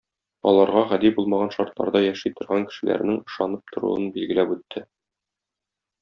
Аларга гади булмаган шартларда яши торган кешеләрнең ышанып торуын билгеләп үтте.